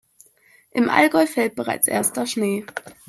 Im Allgäu fällt bereits erster Schnee.